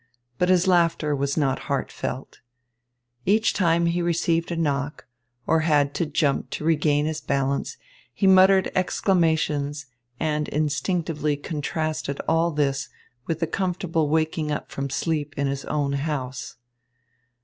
But his laughter was not heartfelt. Each time he received a knock, or had to jump to regain his balance, he muttered exclamations and instinctively contrasted all this with the comfortable waking up from sleep in his own house.